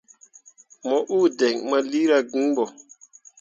Mo uu diŋ ah lira gin bo.